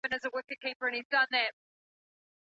د زده کړي په بهیر کي هره ورځ یوه نوې بریا ده.